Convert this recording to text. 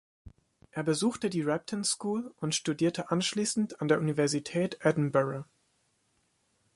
Er besuchte die Repton School und studierte anschließend an der Universität Edinburgh.